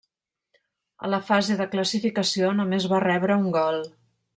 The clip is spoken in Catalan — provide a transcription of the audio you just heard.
A la fase de classificació només va rebre un gol.